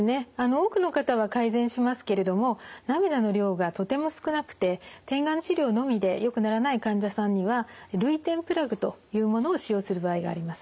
多くの方は改善しますけれども涙の量がとても少なくて点眼治療のみでよくならない患者さんには涙点プラグというものを使用する場合があります。